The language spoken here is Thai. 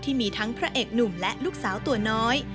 ที่มีทั้งพระเอกหนุ่มและลูกสาวตัวน้อย